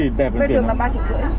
vé thường là ba triệu rưỡi